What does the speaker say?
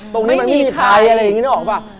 ตรงนี้มันไม่มีใครอะไรแบบนี้ได้ออกปะ